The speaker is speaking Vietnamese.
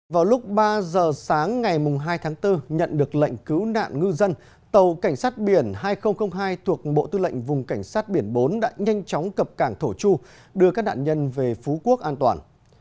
vào lúc ba giờ sáng ngày hai tháng bốn nhận được lệnh cứu nạn ngư dân tàu cảnh sát biển hai nghìn hai thuộc bộ tư lệnh vùng cảnh sát biển bốn đã nhanh chóng cập cảng thổ chu đưa các nạn nhân về phú quốc an toàn